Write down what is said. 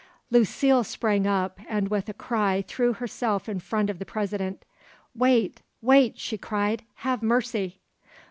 Lucile sprang up, and with a cry threw herself in front of the President "Wait, wait!" she cried. "Have mercy!"